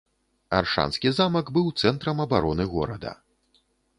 Аршанскі замак быў цэнтрам абароны горада.